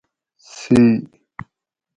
سی